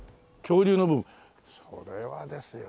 それはですよ